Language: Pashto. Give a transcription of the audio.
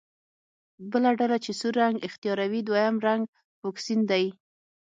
بله ډله چې سور رنګ اختیاروي دویم رنګ فوکسین دی.